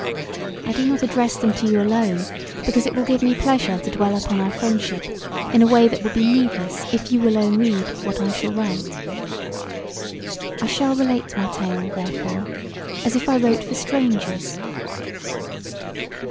I do not address them to you alone because it will give me pleasure to dwell upon our friendship in a way that would be needless if you alone read what I shall write. I shall relate my tale therefore as if I wrote for strangers.